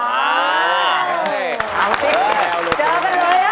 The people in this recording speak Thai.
เจอกันเลยครับ